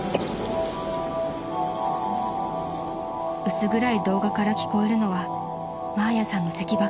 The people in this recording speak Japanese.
［薄暗い動画から聞こえるのはマーヤさんのせきばかり］